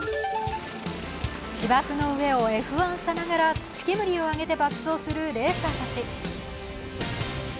芝生の上をＦ１さながら土煙を上げて爆走するレーサーたち。